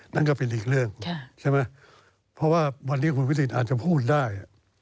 นั่นก็เป็นอีกเรื่องเพราะว่าวันนี้คุณอภิษฎิอาจจะพูดได้